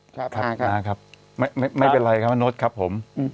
ครับครับครับครับไม่ไม่ไม่ไม่เป็นไรครับอนุสครับผม